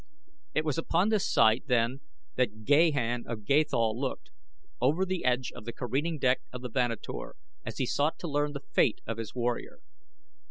It was upon this sight then that Gahan of Gathol looked, over the edge of the careening deck of the Vanator, as he sought to learn the fate of his warrior.